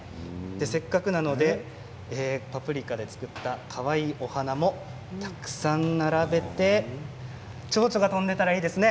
せっかくなのでパプリカで作ったかわいいお花も、たくさん並べてチョウチョが飛んでいたらいいですね。